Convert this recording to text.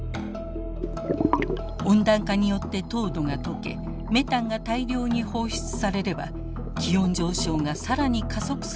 温暖化によって凍土がとけメタンが大量に放出されれば気温上昇が更に加速するおそれがあるのです。